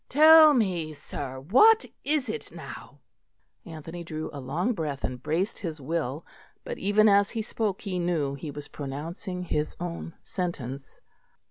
"Tell me, sir; what is it now?" Anthony drew a long breath and braced his will, but even as he spoke he knew he was pronouncing his own sentence.